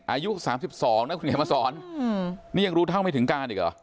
อายุ๓๒นะคุณเขียนมาสอนนี่ยังรู้เท่าไม่ถึงการอีกเหรอ